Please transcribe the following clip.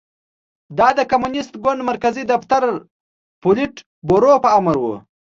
دا د کمونېست ګوند مرکزي دفتر پولیټ بورو په امر و